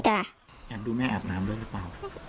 แอบดูแม่อาบน้ำด้วยหรือเปล่า